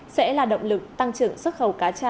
sẽ là động lực tăng trưởng xuất khẩu cá tra